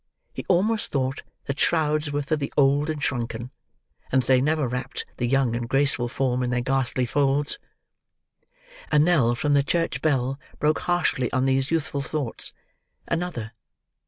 He almost thought that shrouds were for the old and shrunken; and that they never wrapped the young and graceful form in their ghastly folds. A knell from the church bell broke harshly on these youthful thoughts. Another!